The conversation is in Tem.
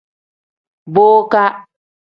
Boka.